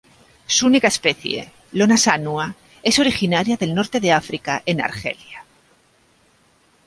Su única especie: Lonas annua, es originaria del Norte de África en Argelia.